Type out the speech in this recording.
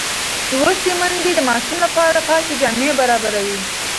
لوستې میندې د ماشوم لپاره پاکې جامې برابروي.